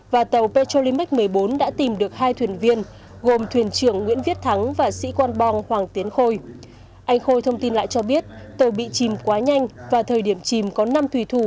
và tàu petrolimic một mươi bốn đã tìm được hai thuyền viên gồm thuyền trưởng nguyễn viết thắng và sĩ quan bòng hoàng t coronet p false paul